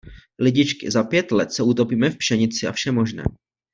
Lidičky, za pět let se utopíme v pšenici a všem možném.